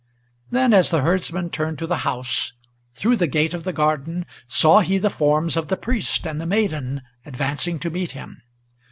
Then as the herdsman turned to the house, through the gate of the garden Saw he the forms of the priest and the maiden advancing to meet him.